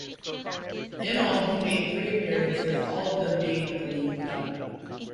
In all he made three appearances, all of them being in the League Cup.